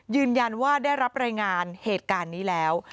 ยืนยันว่าได้รับรายงานเหตุการณ์นี้แล้ว